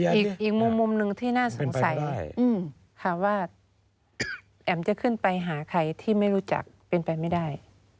อีกมุมหนึ่งที่น่าสงสัยค่ะว่าแอ๋มจะขึ้นไปหาใครที่ไม่รู้จักเป็นไปไม่ได้